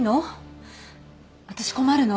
私困るの。